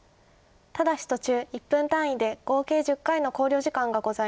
ただし途中１分単位で合計１０回の考慮時間がございます。